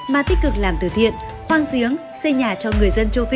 mà tích cực làm từ thiện khoan giếng xây nhà cho người dân châu phi